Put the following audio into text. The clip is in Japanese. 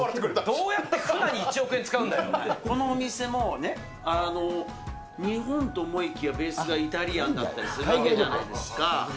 どうやってフナに１億円使うこのお店も、日本と思いきやベースはイタリアンだったりするわけじゃないですか。